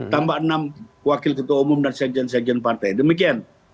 tambah enam wakil ketua umum dan sekjen sekjen partai demikian